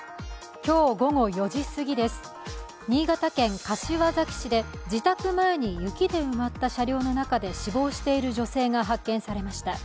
今日午後４時すぎです、新潟県柏崎市で、自宅前で雪に埋まった車両の中で死亡している女性が発見されました。